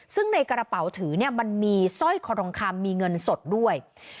ซึ่งในกระเป๋าถือมันมีสร้อยคอทองคำมีเงินสดด้วย